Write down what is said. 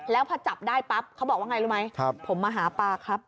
แล้วพอจับได้ปั๊บเขาบอกว่าไงรู้ไหมผมมาหาปลาครับ